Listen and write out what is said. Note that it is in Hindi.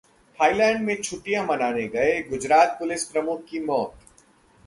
थाईलैंड में छुट्टियां मनाने गए गुजरात पुलिस प्रमुख की मौत